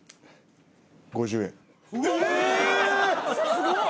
すごい！